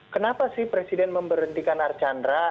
kenapa sih presiden memberhentikan archandra